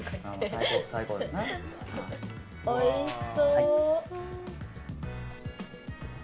おいしそう！